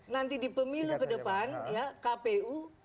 nanti di pemilu ke depan kpu